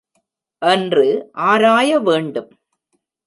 என்று ஆராய வேண்டும்.